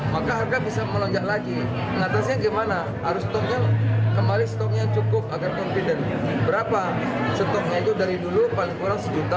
maka bisa melonjak lagi gimana harus kembali cukup agar berapa dari dulu paling kurang satu dua juta